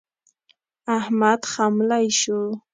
احمد خملۍ شو.